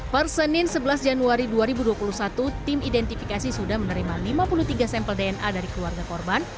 per senin sebelas januari dua ribu dua puluh satu tim identifikasi sudah menerima lima puluh tiga sampel dna dari keluarga korban